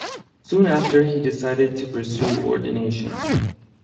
Soon after, he decided to pursue ordination.